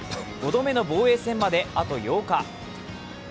５度目の防衛戦まであと８日。